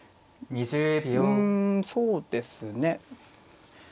うんそうですね。